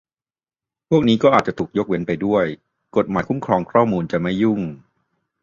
พวกนี้ก็อาจจะถูกยกเว้นไปด้วย กฎหมายคุ้มครองข้อมูลจะไม่ยุ่ง